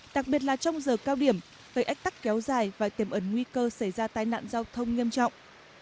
đặc biệt là trong giờ cao điểm gây ách tắc kéo dài và tiềm ẩn nguy cơ xảy ra tai nạn giao thông nghiêm trọng